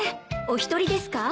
お一人ですか？